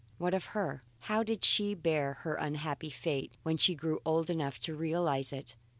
What of her? How did she bear her unhappy fate when she grew old enough to realize it?